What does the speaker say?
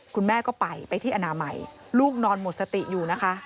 คุณแม่ก็ไปไปที่อนามัยลูกนอนหมดสติอยู่นะคะ